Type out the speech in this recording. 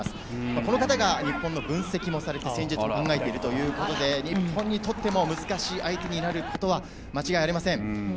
この方が日本の分析もされて戦術も考えているということで日本にとっても難しい相手になることは間違いありません。